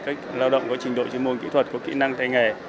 các lao động có trình độ chuyên môn kỹ thuật có kỹ năng tay nghề